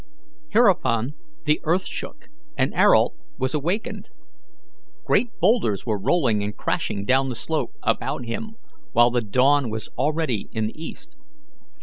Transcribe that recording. Hereupon the earth shook, and Ayrault was awakened. Great boulders were rolling and crashing down the slope about him, while the dawn was already in the east.